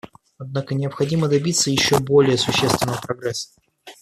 Однако необходимо добиться еще более существенного прогресса.